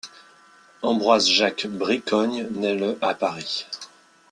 Ambroise-Jacques Bricogne naît le à Paris.